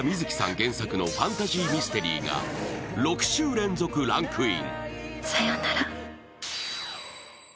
原作のファンタジーミステリーが６週連続ランクイン。